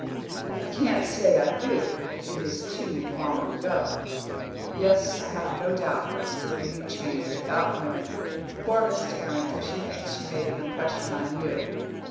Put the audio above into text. "I can't say I do. It is too long ago." "Yes, I have no doubt that's the way you change, about women! Poor Miss Tarrant, if she thinks she made an impression on you!"